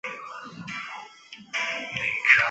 在的代理作品中的甲田写作。